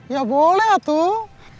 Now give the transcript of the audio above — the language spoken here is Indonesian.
ya boleh atuh